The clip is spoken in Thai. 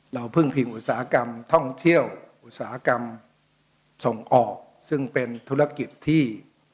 พึ่งพิงอุตสาหกรรมท่องเที่ยวอุตสาหกรรมส่งออกซึ่งเป็นธุรกิจที่